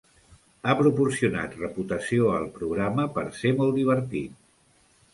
Ha proporcionat reputació al programa per ser molt divertit.